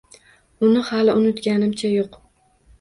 Uni hali unutganimcha yo’q.